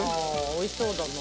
おいしそうだな。